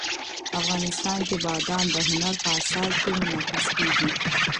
افغانستان کې بادام د هنر په اثار کې منعکس کېږي.